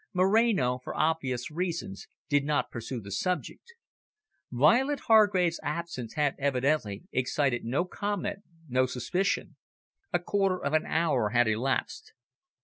Moreno, for obvious reasons, did not pursue the subject. Violet Hargrave's absence had evidently excited no comment, no suspicion. A quarter of an hour had elapsed.